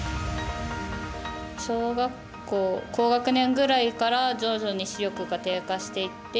小学校高学年ぐらいから徐々に視力が低下していって。